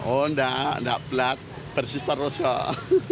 oh enggak enggak pelat bersih terus kak